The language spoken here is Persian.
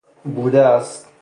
بوده است